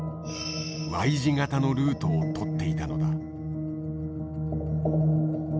Ｙ字型のルートを取っていたのだ。